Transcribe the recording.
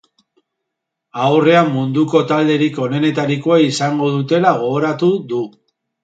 Aurrean munduko talderik onenetarikoa izango dutela gogoratu du.